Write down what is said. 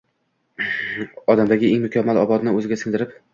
Olamdagi eng mukammal odobni o‘ziga singdirib